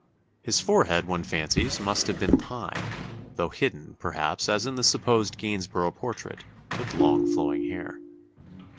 His forehead one fancies must have been high; though hidden, perhaps, as in the supposed Gainsborough portrait, with long flowing hair.